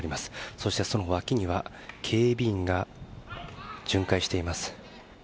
そして、その脇には警備員が巡回しています。